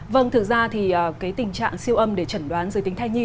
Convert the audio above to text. vâng thực ra tình trạng siêu âm để chẩn đoán giới tính thai nhi